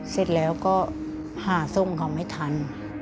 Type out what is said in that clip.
เสร็จแล้วก็หาทรงเขาไม่ทัน